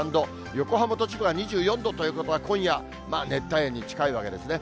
横浜と千葉が２４度ということは、今夜、熱帯夜に近いわけですね。